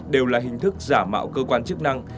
đều là hình thức giả mạo cơ quan chức năng